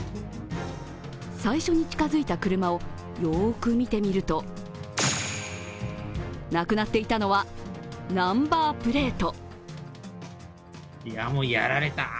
最初に近づいた車をよく見てみるとなくなっていたのはナンバープレート。